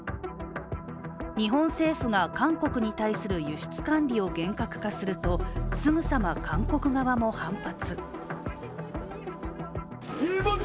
日本政府が韓国に対する輸出管理を厳格化するとすぐさま、韓国側も反発。